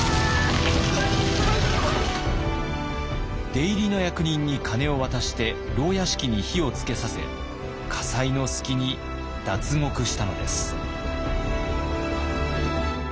出入りの役人に金を渡して牢屋敷に火をつけさせ火災の隙に脱獄したのです。